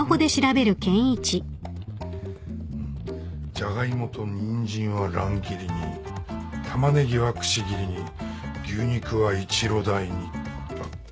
「ジャガイモとニンジンは乱切りにタマネギはくし切りに牛肉はイチロ大に」だって。